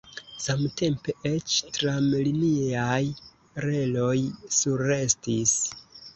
Samtempe eĉ tramliniaj reloj surestis.